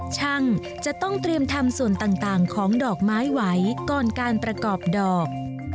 ช่างจะต้องเตรียมทำส่วนต่างของดอกไม้ไหวก่อนการประกอบดอก